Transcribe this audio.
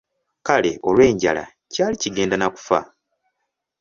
Kale olw’enjala ky’ali kigenda nakufa.